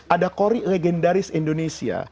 ada korik legendaris indonesia